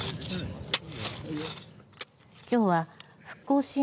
きょうは復興支援